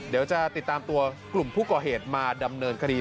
เดี๋ยวจะติดตามตัวกลุ่มผู้ก่อเหตุมาดำเนินคดี